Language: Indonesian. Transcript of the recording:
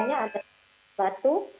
gejalanya ada batuk